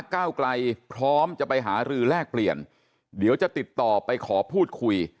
ก้าวไกลพร้อมจะไปหารือแลกเปลี่ยนเดี๋ยวจะติดต่อไปขอพูดคุย